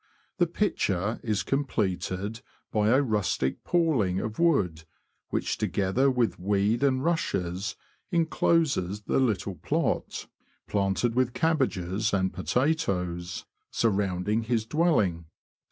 The picture is completed by a rustic paling of wood, which, together with weed and rushes, incloses the little plot, planted with cabbages and potatoes, surrounding his dwelling.